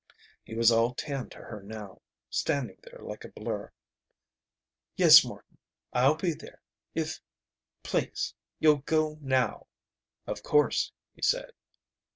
He was all tan to her now, standing there like a blur. "Yes, Morton, I'll be there. If please you'll go now." "Of course," he said.